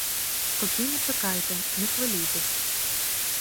Спокійно чекайте, не хвилюйтесь.